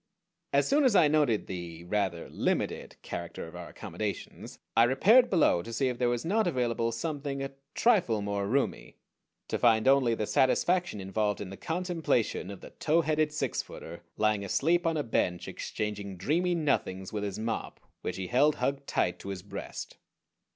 As soon as I noted the rather limited character of our accommodations I repaired below, to see if there was not available something a trifle more roomy: to find only the satisfaction involved in the contemplation of the tow headed six footer lying asleep on a bench exchanging dreamy nothings with his mop, which he held hugged tight to his breast.